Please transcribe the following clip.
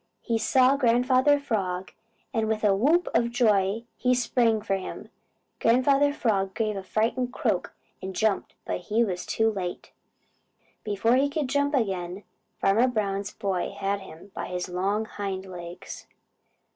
He saw Grandfather Frog and with a whoop of joy he sprang for him. Grandfather Frog gave a frightened croak and jumped, but he was too late. Before he could jump again Farmer Brown's boy had him by his long hind legs.